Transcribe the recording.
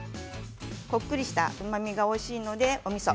こっくりした甘みがおいしいので、おみそ。